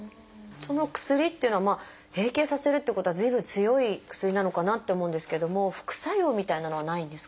その薬っていうのは閉経させるっていうことは随分強い薬なのかなって思うんですけれども副作用みたいなのはないんですか？